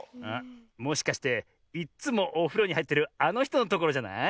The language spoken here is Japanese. もしかしていっつもおふろにはいってるあのひとのところじゃない？